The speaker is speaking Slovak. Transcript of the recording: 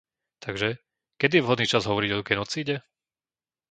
Takže, kedy je vhodný čas hovoriť o genocíde?